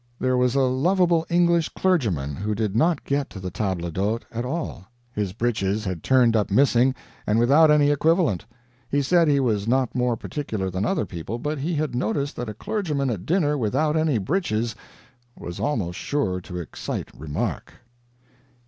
There was a lovable English clergyman who did not get to the table d'hôte at all. His breeches had turned up missing, and without any equivalent. He said he was not more particular than other people, but he had noticed that a clergyman at dinner without any breeches was almost sure to excite remark.